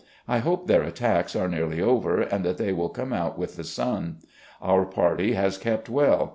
I hope their attacks are nearly over, and that they will come out with the sun. Otu party has kept well.